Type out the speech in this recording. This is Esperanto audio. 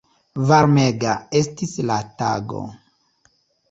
Varmega estis la tago.